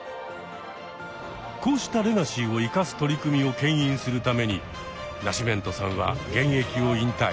こうしたレガシーを生かす取り組みをけん引するためにナシメントさんは現役を引退。